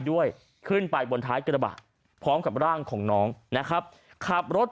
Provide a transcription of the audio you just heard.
ด้วยขึ้นไปบนท้ายกระบะพร้อมกับร่างของน้องนะครับขับรถ